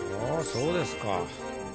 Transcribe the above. そうですか。